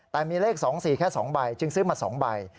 แต่มีเลข๒๔แค่๒ใบจึงซื้อมา๒ใบ